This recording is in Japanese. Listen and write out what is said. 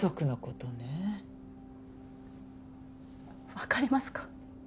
わかりますか？